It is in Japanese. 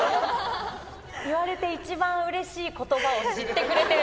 言われて一番うれしいことばを知ってくれてる。